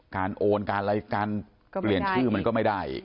การโอ้นการเปลี่ยนชื่อมันก็ไม่ได้